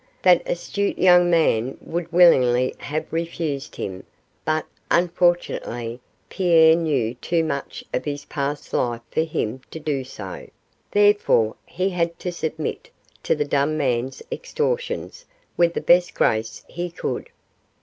That astute young man would willingly have refused him, but, unfortunately, Pierre knew too much of his past life for him to do so, therefore he had to submit to the dumb man's extortions with the best grace he could.